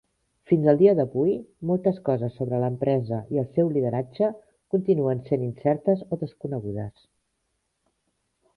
Fins al dia d'avui, moltes coses sobre l'empresa i el seu lideratge continuen sent incertes o desconegudes.